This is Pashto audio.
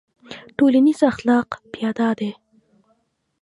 ټولنیز اخلاق بیا دا دي.